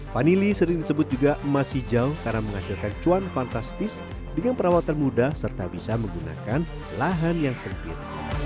vanili sering disebut juga emas hijau karena menghasilkan cuan fantastis dengan perawatan mudah serta bisa menggunakan lahan yang sempit